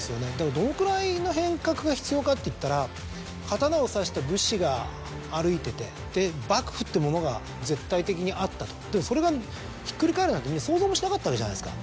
どのぐらいの変革が必要かっていったら刀を差した武士が歩いてて幕府っていうものが絶対的にあったと。なんてみんな想像もしなかったわけじゃないですか。